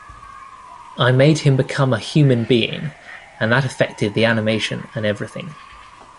I made him become a human being and that affected the animation and everything.